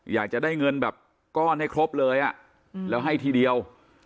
อยากจะได้เงินแบบก้อนให้ครบเลยแล้วให้ทีเดียว